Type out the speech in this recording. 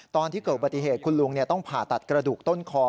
ตอนที่เกิดอุบัติเหตุคุณลุงต้องผ่าตัดกระดูกต้นคอ